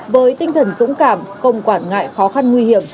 với tinh thần dũng cảm không quản ngại khó khăn nguy hiểm